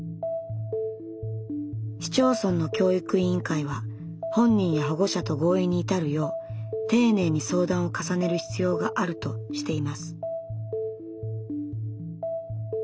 市町村の教育委員会は本人や保護者と合意に至るよう丁寧に相談を重ねる必要があるとしています。